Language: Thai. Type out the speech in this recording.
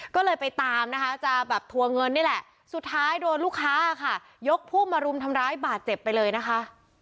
ก็เลยไปตามนะคะจะแบบทวงเงินนี่แหละสุดท้ายโดนลูกค้าค่ะยกพวกมารุมทำร้ายบาดเจ็บไปเลยนะคะ